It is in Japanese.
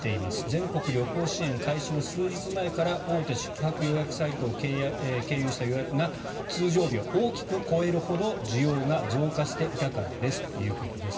全国旅行支援開始の数日前から大手宿泊予約サイトを経由した予約が通常日を大きく超えるほど需要が増加していたからですということです。